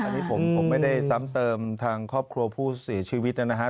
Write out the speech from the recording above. อันนี้ผมไม่ได้ซ้ำเติมทางครอบครัวผู้เสียชีวิตนะครับ